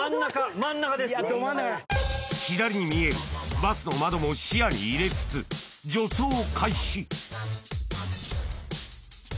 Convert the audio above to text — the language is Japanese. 左に見えるバスの窓も視野に入れつつ助走開始